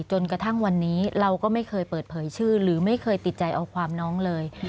จนกระทั่งวันนี้เราก็ไม่เคยเปิดเผยชื่อหรือไม่เคยติดใจเอาความน้องเลย